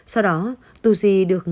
sau đó tu di được